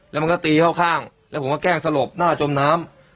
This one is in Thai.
แล้วมันก็ตีเข้าข้างแล้วผมก็แกล้งสลบหน้าจมน้ำ